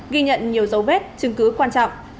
ghi nhận nhiều dấu vết chứng cứ quan trọng